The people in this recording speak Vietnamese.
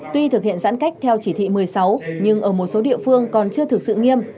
tuy thực hiện giãn cách theo chỉ thị một mươi sáu nhưng ở một số địa phương còn chưa thực sự nghiêm